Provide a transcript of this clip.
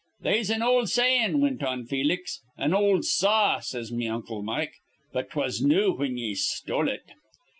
'They'se an old sayin',' wint on Felix. 'An' ol' saw,' says me uncle Mike. 'But 'twas new whin ye stole it.'